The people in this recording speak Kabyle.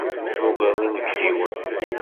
Mmugren inebgiwen.